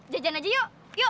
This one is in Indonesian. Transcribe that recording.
jajan aja yuk